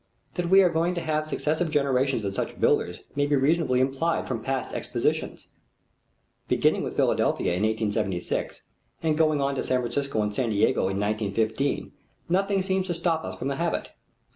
That we are going to have successive generations of such builders may be reasonably implied from past expositions. Beginning with Philadelphia in 1876, and going on to San Francisco and San Diego in 1915, nothing seems to stop us from the habit.